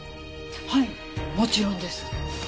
はいもちろんです。